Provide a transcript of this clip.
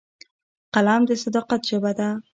قلم د صداقت ژبه ده